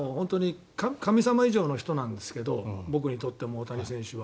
神様以上の人なんですけど僕にとっても、大谷選手は。